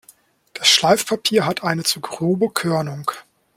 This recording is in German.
Das Schleifpapier hat eine zu grobe Körnung.